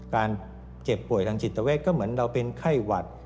การเจ็บป่วยทางจิตเวทก็เหมือนเราเป็นไข้หวัด